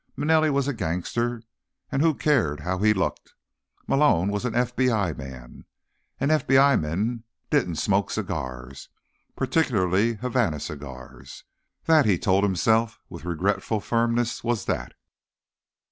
Manelli was a gangster, and who cared how he looked? Malone was an FBI man, and FBI men didn't smoke cigars. Particularly Havana cigars. That, he told himself with regretful firmness, was that.